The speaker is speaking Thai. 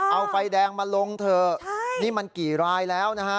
เอาไฟแดงมาลงเถอะนี่มันกี่รายแล้วนะฮะ